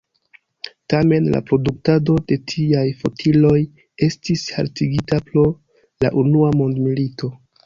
Tamen la produktado de tiaj fotiloj estis haltigita pro la unua mondmilito.